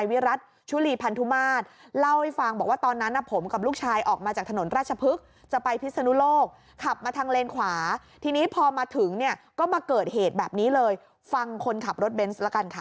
วิรัติชุลีพันธุมาตรเล่าให้ฟังบอกว่าตอนนั้นผมกับลูกชายออกมาจากถนนราชพฤกษ์จะไปพิศนุโลกขับมาทางเลนขวาทีนี้พอมาถึงเนี่ยก็มาเกิดเหตุแบบนี้เลยฟังคนขับรถเบนส์ละกันค่ะ